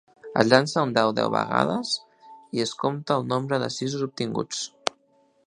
Es llança un dau deu vegades i es compta el nombre de sisos obtinguts